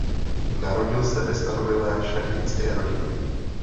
Narodil se ve starobylé šlechtické rodině.